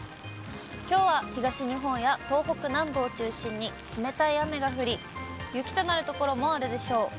きょうは東日本や東北南部を中心に冷たい雨が降り、雪となる所もあるでしょう。